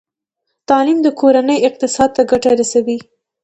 تعلیم د کورنۍ اقتصاد ته ګټه رسوي۔